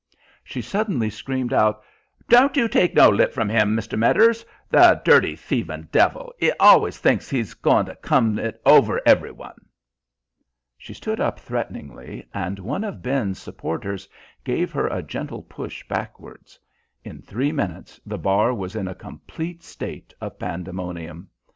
She suddenly screamed out: "Don't you take no lip from 'im, Mr. Medders. The dirty, thieving devil, 'e always thinks 'e's goin' to come it over every one." She stood up threateningly, and one of Ben's supporters gave her a gentle push backwards. In three minutes the bar was in a complete state of pandemonium.